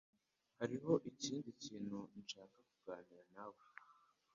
Hariho ikindi kintu nshaka kuganira nawe.